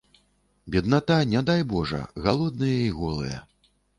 Бедната, не дай божа, галодныя і голыя.